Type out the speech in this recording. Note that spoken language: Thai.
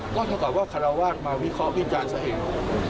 ก็ถ้าเกิดว่าคาราวาสมาวิเคราะห์พิจารณ์เสะเหตุ